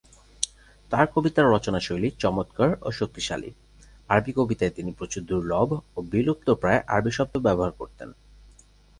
তার কবিতার রচনাশৈলী চমৎকার ও শক্তিশালী, আরবি কবিতায় তিনি প্রচুর দুর্লভ ও বিলুপ্তপ্রায় আরবি শব্দ ব্যবহার করতেন।